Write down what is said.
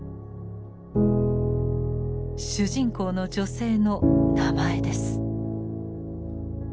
主人公の女性の名前です。